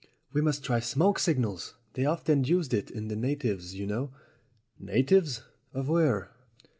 "We must try smoke signals. They're often used by the natives, you know." "Natives of where?"